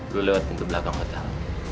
lu lewat pintu belakang pedal